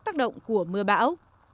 tác động của mưa bão